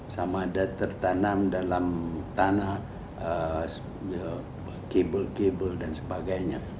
sama ada tertanam dalam tanah kabel kabel dan sebagainya